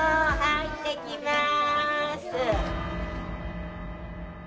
行ってきます。